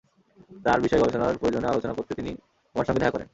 তাঁর বিষয়ে গবেষণার প্রয়োজনে আলোচনা করতে তিনি আমার সঙ্গে দেখা করেন।